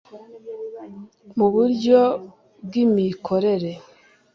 mu buryo bwi mikorere